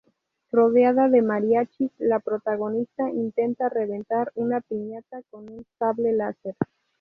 Rodeada de mariachis, la protagonista intenta reventar una piñata con un sable láser.